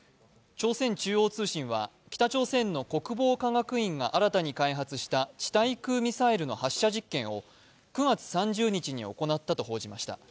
朝鮮中央通信は、北朝鮮の国防科学院が新たに開発した地対空ミサイルの発射実験を９月３０日に行ったと発表しました。